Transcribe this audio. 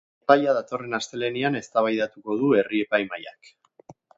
Epaia datorren astelehenean eztabaidatuko du herri-epaimahaiak.